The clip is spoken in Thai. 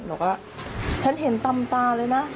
บอกว่าฉันเห็นตำตาเลยนะ